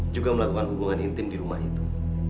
juga melakukan hubungan intim di rumah itu